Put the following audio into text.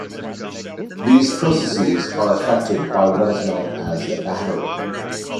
These processes are effected by what is known as a battery.